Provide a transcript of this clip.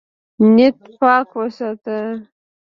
نیت پاک وساته.